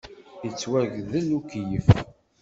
Yettwagdel ukeyyef!